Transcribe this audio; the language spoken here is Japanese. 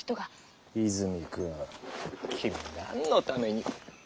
泉くん君何のために。